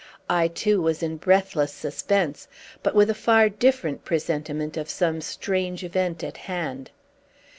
I, too, was in breathless suspense, but with a far different presentiment of some strange event at hand.